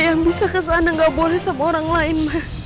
yang bisa kesana nggak boleh sama orang lain